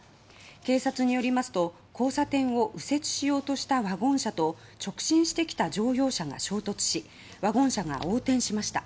警察によりますと交差点を右折しようとしたワゴン車と直進してきた乗用車が衝突しワゴン車が横転しました。